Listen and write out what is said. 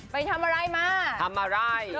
ไปทำอะไรมา